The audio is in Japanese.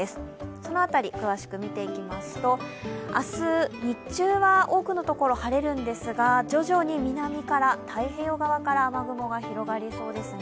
その辺り、詳しく見ていきますと、明日日中は多くの所、晴れるんですが徐々に南から雨雲が広がりそうです。